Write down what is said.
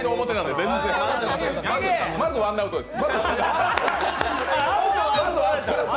まずワンアウトです。